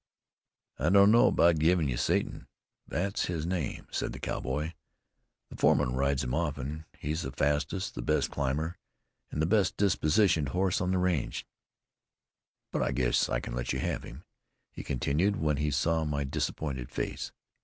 "I don't know about giving you Satan that's his name," said the cowboy. "The foreman rides him often. He's the fastest, the best climber, and the best dispositioned horse on the range. "But I guess I can let you have him," he continued, when he saw my disappointed face.